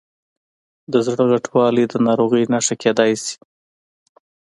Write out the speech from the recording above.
د زړه غټوالی د ناروغۍ نښه کېدای شي.